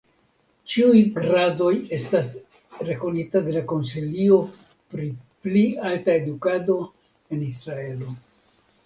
Ĉiuj gradoj estas rekonita de la konsilio pri pli alta edukado en Israelo.